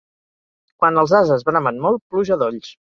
Quan els ases bramen molt, pluja a dolls.